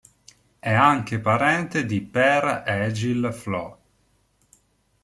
È anche parente di Per-Egil Flo.